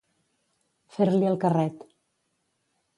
Fer-li el carret.